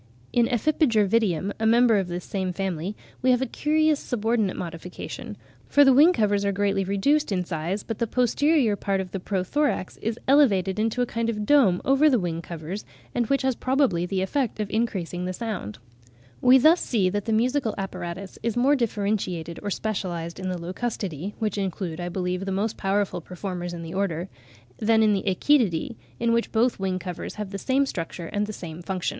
In Ephippiger vitium, a member of this same family, we have a curious subordinate modification; for the wing covers are greatly reduced in size, but "the posterior part of the pro thorax is elevated into a kind of dome over the wing covers, and which has probably the effect of increasing the sound." (37. Westwood 'Modern Classification of Insects,' vol. i. p. 453.) We thus see that the musical apparatus is more differentiated or specialised in the Locustidae (which include, I believe, the most powerful performers in the Order), than in the Achetidae, in which both wing covers have the same structure and the same function.